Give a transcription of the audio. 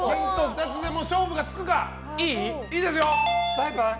バイバイ！